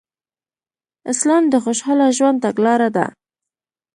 اسلام د خوشحاله ژوند تګلاره ده